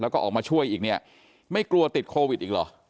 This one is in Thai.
แล้วก็ออกมาช่วยอีกเนี่ยไม่กลัวติดโควิดอีกเหรอ